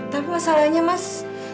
tapi masalahnya mas